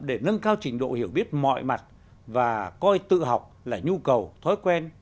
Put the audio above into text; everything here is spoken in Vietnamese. để nâng cao trình độ hiểu biết mọi mặt và coi tự học là nhu cầu thói quen